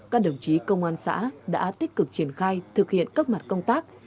các đồng chí công an xã đã tích cực triển khai thực hiện các mặt công tác